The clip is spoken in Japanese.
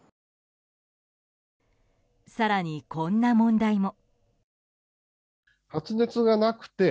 更に、こんな問題も。